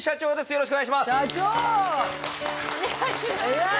よろしくお願いします。